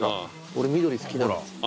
俺緑好きなんです。